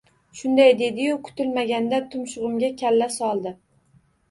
Shunday dedi-yu, kutilmaganda tumshug‘imga kalla soldi